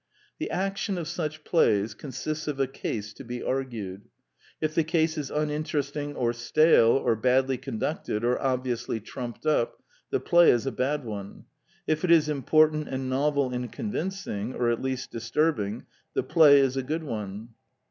The action of such plays consists of a case to be argued. If the case is uninteresting or stale or badly con ducted or obviously trumped up, the play is a bad one. If it is important and novel and con vincing, or at least disturbing, the play is a good one.